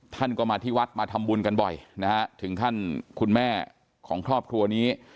ท่านก็มาที่วัดมาทำบุญกันบ่อยนะฮะถึงขั้นคุณแม่ของครอบครัวนี้